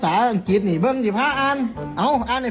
สัตว์เนี่ยที่เขาเอาคนไข่